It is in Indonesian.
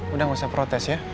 udah gak usah protes ya